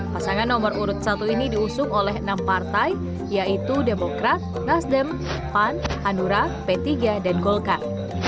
pasangan nomor urut satu ini diusung oleh enam partai yaitu demokrat nasdem pan hanura p tiga dan golkar